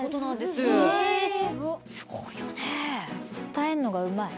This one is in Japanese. すごいよね。